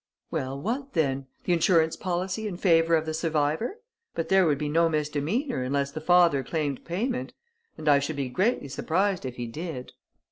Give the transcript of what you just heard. "Well, what then? The insurance policy in favour of the survivor? But there would be no misdemeanour unless the father claimed payment. And I should be greatly surprised if he did....